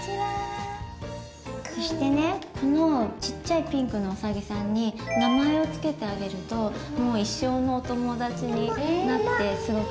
そしてねこのちっちゃいピンクのうさぎさんに名前をつけてあげるともう一生のお友達になって。